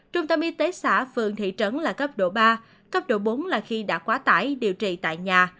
trung tâm y tế xã phường thị trấn là cấp độ ba cấp độ bốn là khi đã quá tải điều trị tại nhà